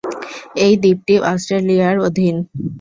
এই দ্বীপটি অস্ট্রেলিয়ার অধীন।